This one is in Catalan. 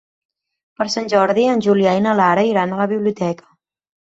Per Sant Jordi en Julià i na Lara iran a la biblioteca.